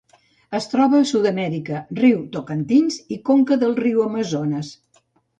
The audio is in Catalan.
Es troba a Sud-amèrica: riu Tocantins i conca del riu Amazones.